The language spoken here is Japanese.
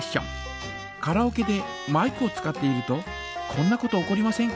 カラオケでマイクを使っているとこんなこと起こりませんか？